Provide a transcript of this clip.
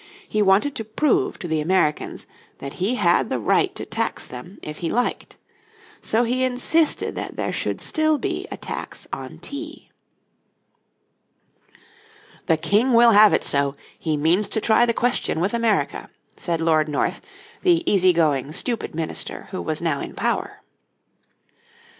He wanted to prove to the Americans that he had the right to tax them if he liked. So he insisted that there should still be a tax on tea. "The King will have it so, he means to try the question with America," said Lord North, the easy going, stupid minister who was now in power.